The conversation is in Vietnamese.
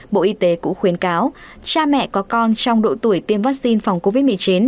bộ y tế cũng khuyến cáo cha mẹ có con trong độ tuổi tiêm vaccine phòng covid một mươi chín